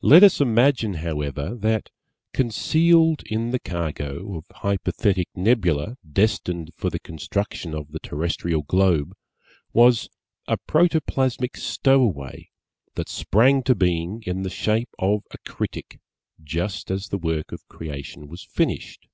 Let us imagine, however, that concealed in the cargo of Hypothetic Nebula destined for the construction of the Terrestrial Globe was a Protoplasmic Stowaway that sprang to being in the shape of a Critic just as the work of Creation was finished.